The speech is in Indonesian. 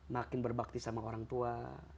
makin berbakti sama orang tua